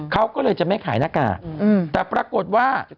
เขาก็เลยจะไม่ขายหน้ากากแต่ปรากฏว่า